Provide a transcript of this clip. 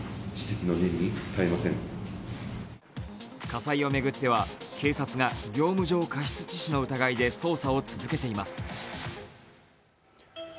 火災をめぐっては警察が業務上過失致死の疑いで捜査を続けています。